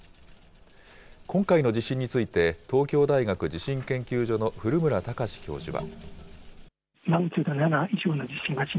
今回の地震について東京大学地震研究所の古村孝志教授は。